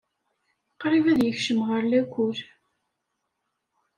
Qrib ad yekcem ɣer lakul.